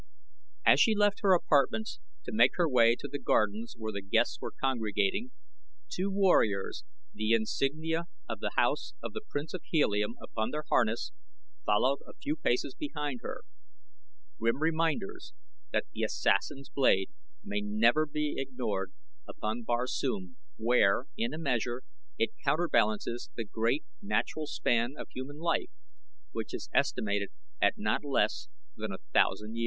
As she left her apartments to make her way to the gardens where the guests were congregating, two warriors, the insignia of the House of the Prince of Helium upon their harness, followed a few paces behind her, grim reminders that the assassin's blade may never be ignored upon Barsoom, where, in a measure, it counterbalances the great natural span of human life, which is estimated at not less than a thousand years.